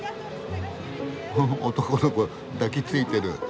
ふふ男の子抱きついてる。